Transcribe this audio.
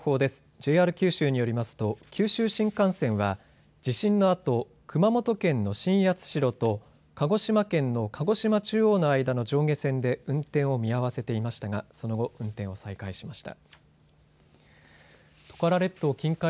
ＪＲ九州によりますと九州新幹線は地震のあと、熊本県の新八代と鹿児島県の鹿児島中央の間の上下線で運転を見合わせていましたがその後、運転を再開しました。